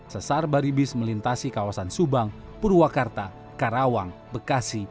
sesar baribis melintasi kawasan subang purwakarta karawang bekasi